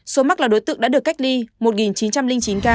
số mắc là đối tượng đã được cách ly một chín trăm linh chín ca